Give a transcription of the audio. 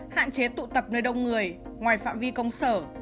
hạn chế tụ tập nơi đông người ngoài phạm vi công sở